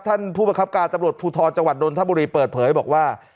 ท่านผู้ประคับการตำรวจภูทรจังหวัดนทบุรีเปิดเผยบอกว่า